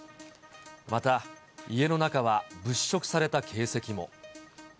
また、家の中は物色された形跡も。